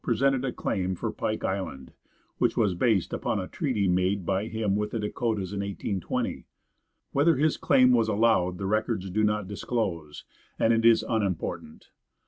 In 1837 Mr. Alexander Faribault presented a claim for Pike Island, which was based upon a treaty made by him with the Dakotas in 1820. Whether his claim was allowed the records do not disclose, and it is unimportant.